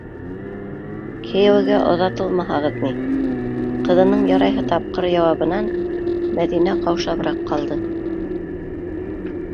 Кейәүгә оҙатылмаһағыҙ ни, - ҡыҙының ярайһы тапҡыр яуабынан Мәҙинә ҡаушабыраҡ ҡалды.